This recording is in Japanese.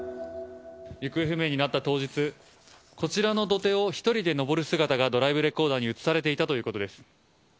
行方不明になった当日、こちらの土手を１人で上る姿が、ドライブレコーダーに写されていたということです。